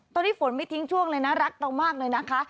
ตอนนี้ฝนไม่ทิ้งช่วงเลยนะรักเรามากเลยนะคะ